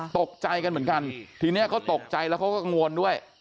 ตกใจกันเหมือนกันทีนี้เขาตกใจแล้วเขาก็กังวลด้วย